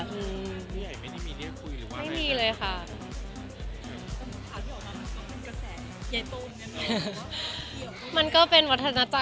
คุณตูน้องก็คิดว่าน้องมันจะดูด้วยหรือเปล่า